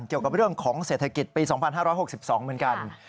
เกี่ยวกับเรื่องของเศรษฐกิจปี๒๕๖๒เหมือนกัน